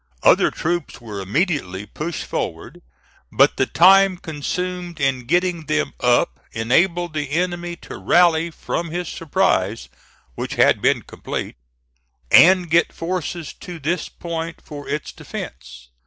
Other troops were immediately pushed forward, but the time consumed in getting them up enabled the enemy to rally from his surprise (which had been complete), and get forces to this point for its defence.